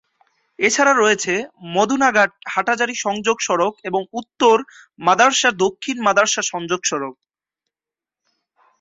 এছাড়া রয়েছে মদুনাঘাট-হাটহাজারী সংযোগ সড়ক এবং উত্তর মাদার্শা-দক্ষিণ মাদার্শা সংযোগ সড়ক।